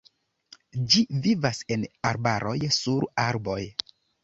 Ĝi vivas en arbaroj, sur arboj.